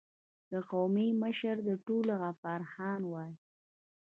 او قومي مشر د ټولو غفار خان وای